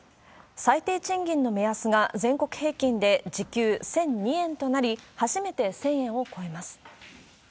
最低賃金の目安が全国平均で時給１００２円となり、初めて１０００円を超えます。